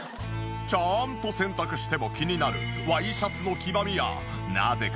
ちゃんと洗濯しても気になるワイシャツの黄ばみやなぜか残る嫌なニオイ。